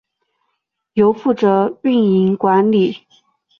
由负责运营管理。